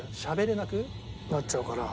なっちゃうから。